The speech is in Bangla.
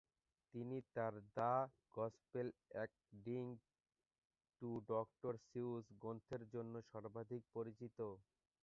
তিনি তার "the gospel according to doctor Seuss" গ্রন্থের জন্য সর্বাধিক পরিচিত।